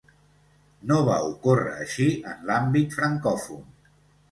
No va ocórrer així en l'àmbit francòfon.